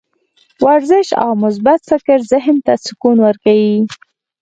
ورزش او مثبت فکر ذهن ته سکون ورکوي.